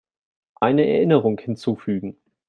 Eine Erinnerung hinzufügen.